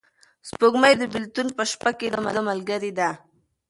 سپوږمۍ د بېلتون په شپه کې د ده ملګرې ده.